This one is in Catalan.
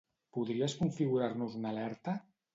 Podries configurar-nos una alerta?